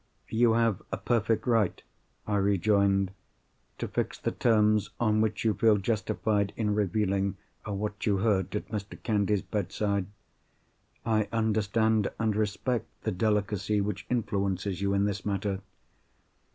"You have a perfect right," I rejoined, "to fix the terms on which you feel justified in revealing what you heard at Mr. Candy's bedside. I understand and respect the delicacy which influences you in this matter.